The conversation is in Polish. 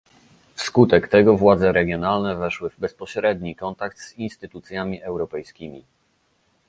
Wskutek tego władze regionalne weszły w bezpośredni kontakt z instytucjami europejskimi